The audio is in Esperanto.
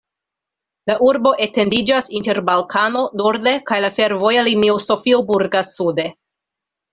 La urbo etendiĝas inter Balkano norde kaj la fervoja linio Sofio-Burgas sude.